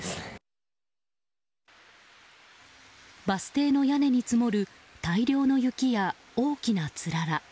バス停の屋根に積もる大量の雪や大きなつらら。